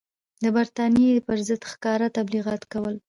د برټانیې پر ضد ښکاره تبلیغات کول.